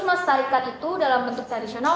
melestarikan itu dalam bentuk tradisional